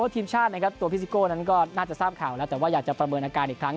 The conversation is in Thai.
ตัวพิซิโก้นั้นก็น่าจะทราบข่าวแล้วแต่ว่าอยากจะประเมินอาการอีกครั้ง